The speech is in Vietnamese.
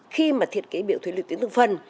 khi mà thiết kế biểu thuế lũy tiến từng phần